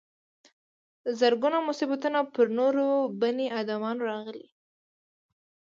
زرګونه مصیبتونه پر نورو بني ادمانو راغلي.